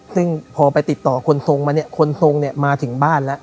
ซึ่งพอไปติดต่อคนทรงมาเนี่ยคนทรงเนี่ยมาถึงบ้านแล้ว